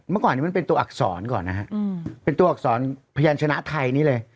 เมื่อก่อนนี้มันเป็นตัวอักษรก่อนนะฮะเป็นตัวอักษรพยานชนะไทยนี่เลย